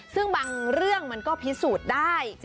ซึ่งบางเรื่องมันก็พิสูจน์ได้